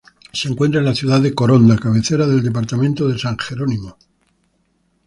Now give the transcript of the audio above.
Se encuentra en la ciudad de Coronda, cabecera del Departamento San Jerónimo.